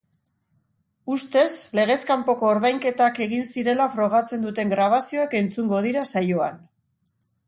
Ustez legez kanpoko ordainketak egin zirela frogatzen duten grabazioak entzungo dira saioan.